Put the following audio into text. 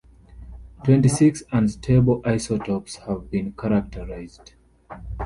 Twenty-six unstable isotopes have been characterized.